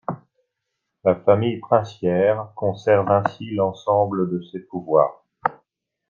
La famille princière conserve ainsi l'ensemble de ses pouvoirs.